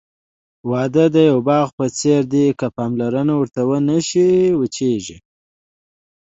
واده د یوه باغ په څېر دی، که پاملرنه ورته ونشي، وچېږي.